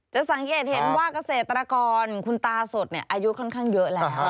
จะสังเกตเห็นว่าเกษตรกรคุณตาสดอายุค่อนข้างเยอะแล้ว